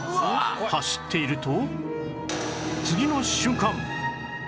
走っていると